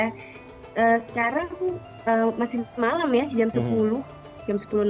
sekarang masih malam ya jam sepuluh jam sepuluh enam